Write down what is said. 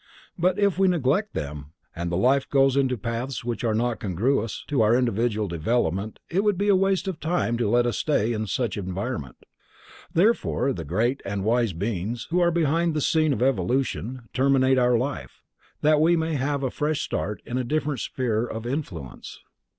But if we neglect them, and the life goes into paths which are not congruous to our individual development it would be a waste of time to let us stay in such environment. Therefore the Great and Wise Beings, Who are behind the scene of evolution, terminate our life, that we may have a fresh start in a different sphere of influence.